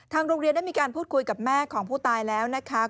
โรงเรียนได้มีการพูดคุยกับแม่ของผู้ตายแล้วนะคะ